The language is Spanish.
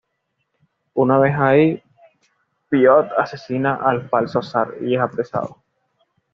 Una vez ahí, Piotr asesina al falso zar, y es apresado.